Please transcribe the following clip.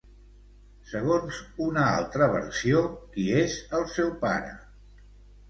Segons una altra versió, qui és el seu pare?